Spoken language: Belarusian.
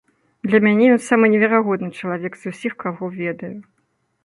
Для мяне ён самы неверагодны чалавек з усіх, каго ведаю.